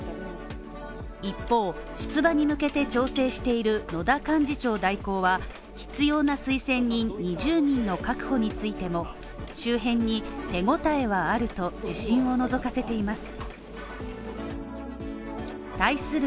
一方出馬に向けて調整している野田幹事長代行は必要な推薦人２０人の確保についても周辺に手応えはあると自信をのぞかせています対する